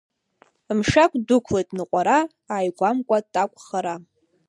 Мшәагә ддәықәлеит ныҟәара, ааигәамкәа такә хара.